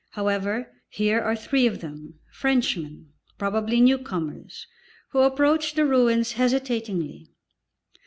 However, here are three of them, Frenchmen, probably newcomers, who approach the ruins hesitatingly.